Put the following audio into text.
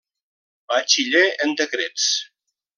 Batxiller en Decrets.